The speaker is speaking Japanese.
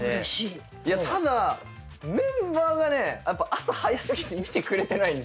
ただメンバーがねやっぱ朝早すぎて見てくれてないんですよ。